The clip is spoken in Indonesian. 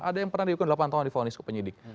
ada yang pernah dihukum delapan tahun difonis ke penyidik